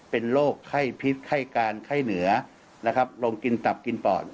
เป็นโรคไข้พิษไข้การไข้เหนือนะครับลงกินตับกินปอด